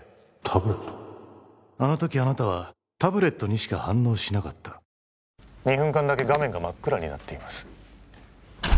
あのときあなたはタブレットにしか反応しなかった２分間だけ画面が真っ暗になっています